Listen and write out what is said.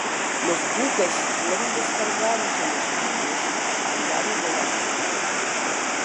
Los buques fueron descargados en los muelles, al lado del arsenal.